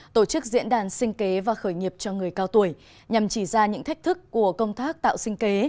tổ chức diễn đàn sinh kế và khởi nghiệp cho người cao tuổi nhằm chỉ ra những thách thức của công tác tạo sinh kế